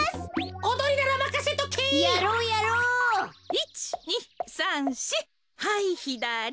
１２３４はいひだり。